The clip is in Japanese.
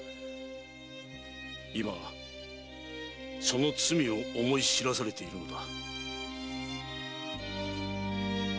今その罪を思い知らされているのだ。